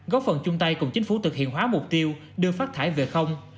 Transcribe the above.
góp phần chung tay cùng chính phủ thực hiện hóa mục tiêu đưa phát thải về không